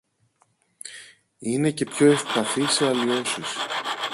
είναι και πιο ευπαθή σε αλλοιώσεις